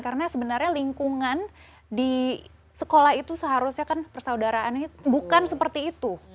karena sebenarnya lingkungan di sekolah itu seharusnya kan persaudaraannya bukan seperti itu